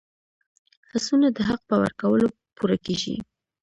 هڅونه د حق په ورکولو پوره کېږي.